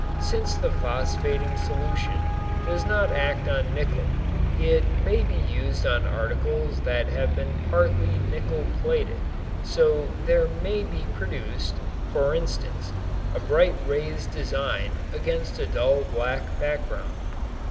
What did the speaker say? Since the phosphating solution does not act on nickel it may be used on articles that have been partly nickel plated so there may be produced, for instance, a bright raised design against a dull black background.